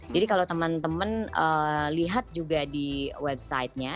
jadi kalau teman teman lihat juga di websitenya